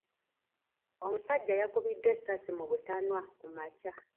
Omusajja yakubiddwa essasi mu butanwa kumakya.